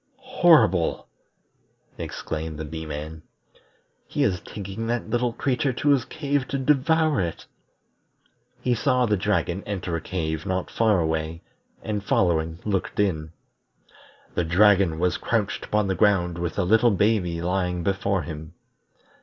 "Horrible!" exclaimed the Bee man. "He is taking that little creature to his cave to devour it." He saw the dragon enter a cave not far away, and following looked in. The dragon was crouched upon the ground with the little baby lying before him.